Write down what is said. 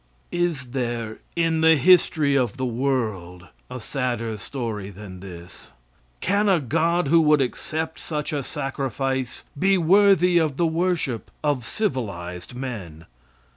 Is there in the history of the world a sadder story than this? Can a god who would accept such a sacrifice be worthy of the worship of civilized men?